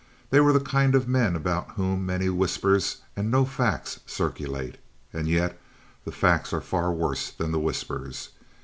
They were the kind of men about whom many whispers and no facts circulate: and yet the facts are far worse than the whispers.